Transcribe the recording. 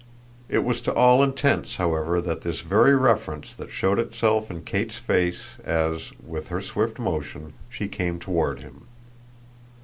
It was to all intents however this very reference that showed itself in Kate's face as, with her swift motion, she came toward him.